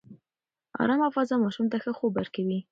ارامه فضا ماشوم ته ښه خوب ورکوي.